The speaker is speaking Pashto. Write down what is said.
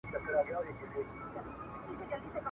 سرې لا څه ته وا د وینو فوارې سوې.